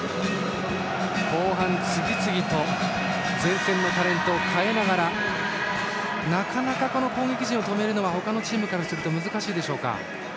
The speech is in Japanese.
後半次々と前線のタレントを代えながらなかなか攻撃陣を止めるのは他のチームからすると難しいでしょうか。